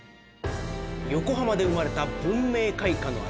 横浜で生まれた文明開化の味